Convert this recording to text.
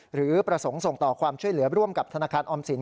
หรือประสงค์ส่งต่อความช่วยเหลือร่วมกับธนาคารออมสิน